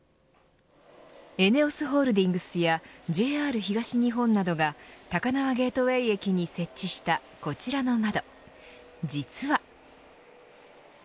ＥＮＥＯＳホールディングスやＪＲ東日本などが高輪ゲートウェイ駅に設置したこちらの窓。